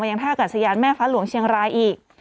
ยังท่ากัดสยานแม่ฟ้าหลวงเชียงรายอีก